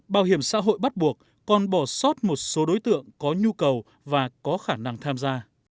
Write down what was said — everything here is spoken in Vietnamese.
bảo hiểm xã hội bắt buộc còn bỏ sót một số đối tượng có nhu cầu và có khả năng tham gia